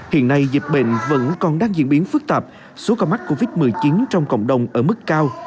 hiện nay dịch bệnh vẫn còn đang diễn biến phức tạp số ca mắc covid một mươi chín trong cộng đồng ở mức cao